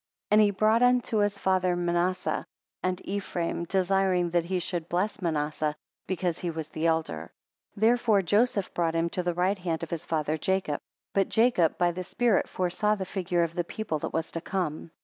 And he brought unto his father Manasseh and Ephraim, desiring that he should bless Manasseh, because he was the elder. 6 Therefore Joseph brought him to the right hand of his father Jacob. But Jacob by the spirit foresaw the figure of the people that was to come.